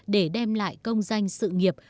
để đem lại công doanh sự nghiệp